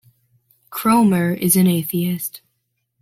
Kroemer is an atheist.